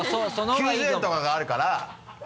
９０円とかがあるから。